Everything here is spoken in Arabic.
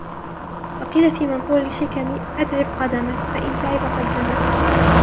وَقِيلَ فِي مَنْثُورِ الْحِكَمِ أَتْعِبْ قَدَمَك ، فَإِنْ تَعِبَ قَدَّمَك